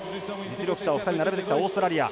実力者を２人並べてきたオーストラリア。